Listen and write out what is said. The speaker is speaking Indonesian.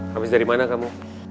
habis dari mana kamu